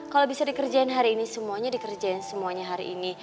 kalau bisa dikerjain hari ini semuanya dikerjain semuanya hari ini